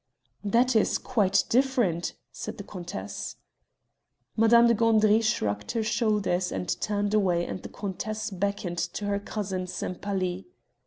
"That is quite different," said the countess. Madame de Gandry shrugged her shoulders and turned away and the countess beckoned to her cousin Sempaly.